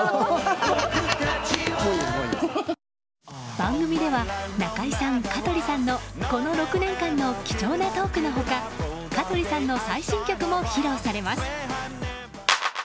番組では中居さん、香取さんのこの６年間の貴重なトークの他香取さんの最新曲も披露されます。